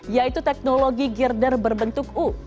yaitu teknologi girder berbentuk u